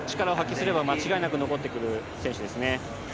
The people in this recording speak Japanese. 決勝には力を発揮すれば間違いなく残ってくる選手です。